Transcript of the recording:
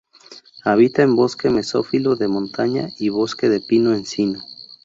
Habita en bosque mesófilo de montaña y bosque de pino-encino.